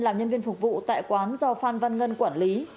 làm nhân viên phục vụ tại quán do phan văn ngân quản lý